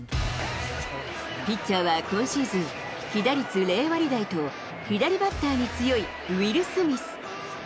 ピッチャーは今シーズン、被打率０割台と、左バッターに強いウィル・スミス。